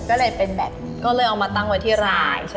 ก็เลยเอามาตั้งไว้ที่ร้านใช่ไหม